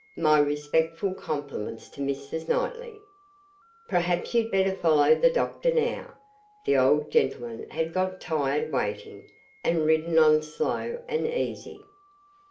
My respectful compliments to Mrs. Knightley. Perhaps you'd better follow the doctor now.' The old gentleman had got tired waiting, and ridden on slow and easy.